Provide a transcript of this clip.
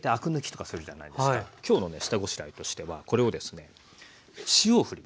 今日のね下ごしらえとしてはこれをですね塩をふります。